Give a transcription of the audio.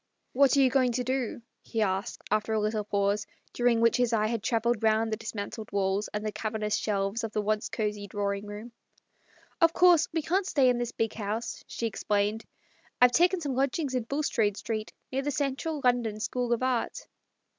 " What are you going to do ?" he asked, after a little pause, during which his eye had travelled round the dismantled walls and cavernous shelves of the once cosey drawing room. "Of course we can't stay in this big house," she explained ;" I've taken some lodgings in Bulstrode Street, near the Central London School of Art."